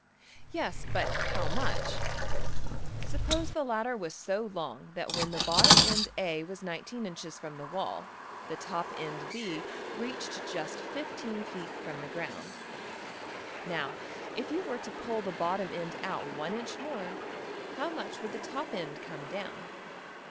Yes, but how much? Suppose the ladder was so long that when the bottom end~$A$ was $19$~inches from the wall the top end~$B$ reached just $15$~feet from the ground. Now, if you were to pull the bottom end out $1$~inch more, how much would the top end come down?